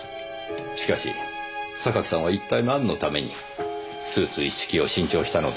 しかし榊さんは一体何のためにスーツ一式を新調したのでしょうねえ。